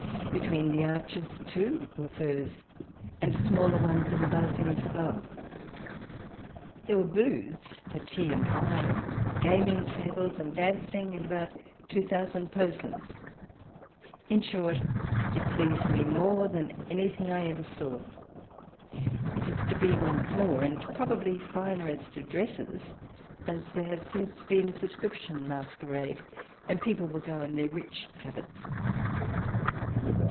Between the arches too were firs, and smaller ones in the balconies above. There were booths for tea and wine, gaming tables and dancing, and about two thousand persons. In short, it pleased me more than anything I ever saw. It is to be once more, and probably finer as to dresses, as there has since been a subscription masquerade, and people will go in their rich habits.